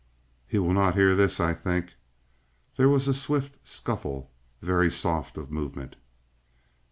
"He will not hear this, I think." There was a swift scuffle, very soft of movement.